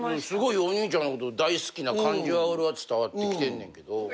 すごいお兄ちゃんのこと大好きな感じは俺は伝わってきてんねんけど。